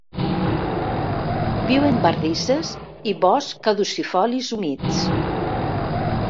Viu en bardisses i boscs caducifolis humits.